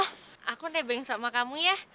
aku nebeng sama kamu ya